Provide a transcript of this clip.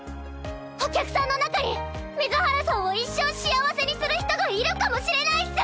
お客さんの中に水原さんを一生幸せにする人がいるかもしれないっス！